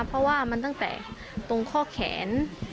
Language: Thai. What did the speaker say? เพราะว่ามันตั้งแต่ตรงข้อแขน